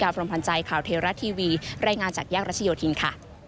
ขอบคุณครับ